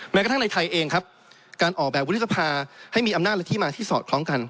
แม้กระทั่งในไทยเองครับการออกแบบวุฒิสภาให้มีอำนาจและที่มาที่สอดคล้องกัน